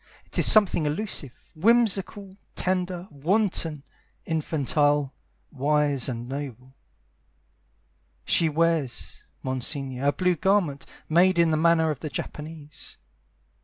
It is something elusive, whimsical, tender, wanton, infantile, wise And noble. She wears, Monsignore, a blue garment, Made in the manner of the Japanese.